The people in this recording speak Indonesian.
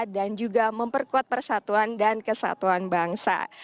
juga memperkuat persatuan dan kesatuan bangsa